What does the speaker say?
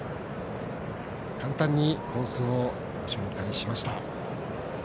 簡単にコースをご紹介しました。